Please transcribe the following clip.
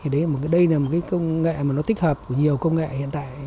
đây là một công nghệ tích hợp của nhiều công nghệ hiện tại